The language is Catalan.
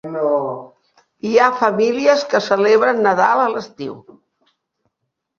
Hi ha famílies que celebren Nadal a l'estiu.